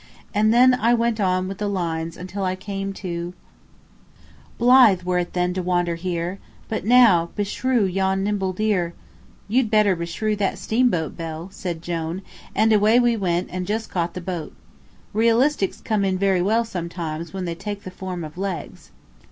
and then I went on with the lines until I came to "Blithe were it then to wander here! But now beshrew yon nimble deer" "You'd better beshrew that steamboat bell," said Jone, and away we went and just caught the boat. Realistics come in very well sometimes when they take the form of legs.